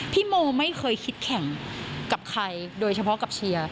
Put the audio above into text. พี่โมไม่เคยคิดแข่งกับใครโดยเฉพาะกับเชียร์